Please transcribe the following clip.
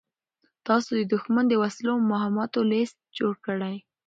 تاسو د دښمن د وسلو او مهماتو لېست جوړ کړئ.